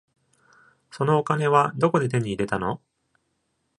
そのお金はどこで手に入れたの？